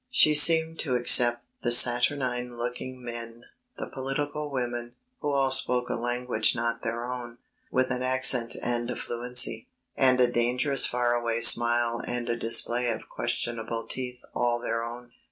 She seemed to accept the saturnine looking men, the political women, who all spoke a language not their own, with an accent and a fluency, and a dangerous far away smile and a display of questionable teeth all their own.